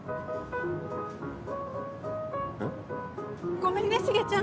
ごめんねシゲちゃん！